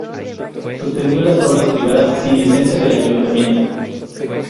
Suspendió las obras privadas sin licencia del ayuntamiento.